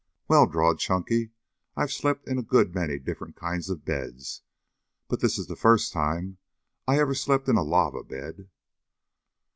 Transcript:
"Well," drawled Chunky, "I've slept in a good many different kinds of beds, but this is the first time I ever slept in a lava bed."